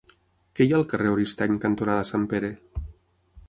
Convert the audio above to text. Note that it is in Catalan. Què hi ha al carrer Oristany cantonada Sant Pere?